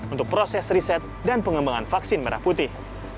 untuk proses riset dan pengembangan vaksin merah putih